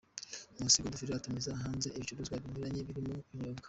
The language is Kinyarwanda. Nkusi Godfrey atumiza hanze ibicuruzwa binyuranye birimo ibinyobwa.